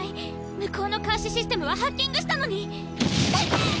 向こうの監視システムはハッキングしたのに！